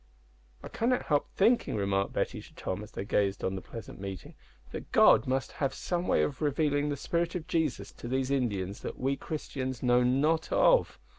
"I cannot help thinking," remarked Betty to Tom, as they gazed on the pleasant meeting, "that God must have some way of revealing the Spirit of Jesus to these Indians that we Christians know not of."